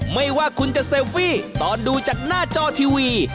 ไม่ว่าคุณจะเซลฟี่ตอนดูจากหน้าจอทีวี